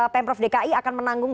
pm prof dki akan menanggung